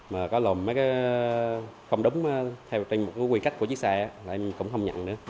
mà có lộn mấy cái không đúng theo quy cách của chiếc xe là em cũng không nhận nữa